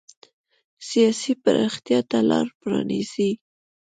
سیاسي پراختیا ته لار پرانېزي.